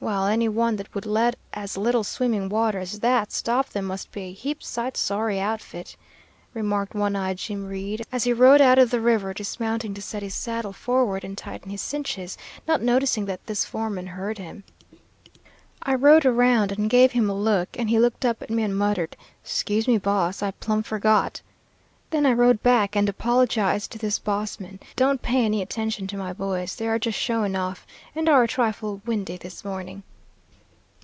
'Well, any one that would let as little swimming water as that stop them must be a heap sight sorry outfit,' remarked one eyed Jim Reed, as he rode out of the river, dismounting to set his saddle forward and tighten his cinches, not noticing that this foreman heard him. I rode around and gave him a look, and he looked up at me and muttered, 'Scuse me, boss, I plumb forgot!' Then I rode back and apologized to this boss man: 'Don't pay any attention to my boys; they are just showing off, and are a trifle windy this morning.'